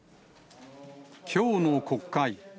きょうの国会。